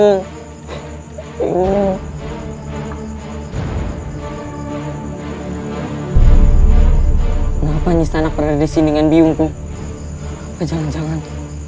ngapain istana kredisi dengan biungku jangan jangan